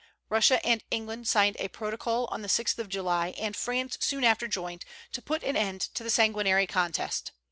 Russia and England signed a protocol on the 6th of July, and France soon after joined, to put an end to the sanguinary contest.